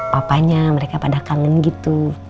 papanya mereka pada kangen gitu